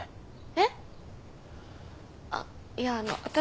えっ？